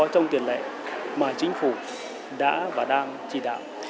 trong tiền lệ mà chính phủ đã và đang chỉ đạo